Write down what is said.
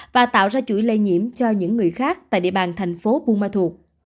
và tạo ra chuỗi lây nhiễm cho những người khác tại địa bàn thành phố buma thuộc